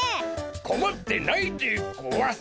こまってないでゴワス。